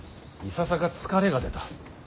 いささか疲れが出た。